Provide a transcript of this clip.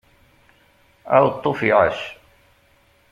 Aweṭṭuf iεac!